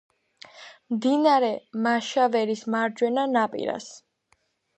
მდინარე მაშავერის მარჯვენა ნაპირას.